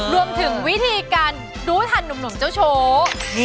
รวมถึงวิธีการรู้ทันหนุ่มเจ้าโชว์